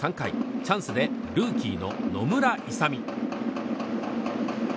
３回チャンスでルーキーの野村勇。